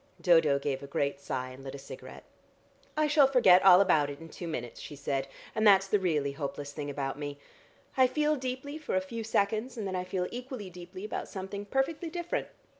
Dodo gave a great sigh, and lit a cigarette. "I shall forget all about it in two minutes," she said, "and that's the really hopeless thing about me. I feel deeply for a few seconds, and then I feel equally deeply about something perfectly different.